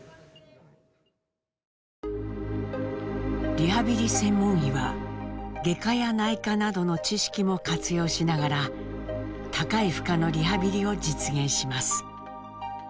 リハビリ専門医は外科や内科などの知識も活用しながら高い負荷のリハビリを実現します。